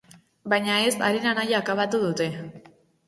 Baina ez, haren anaia akabatu dute.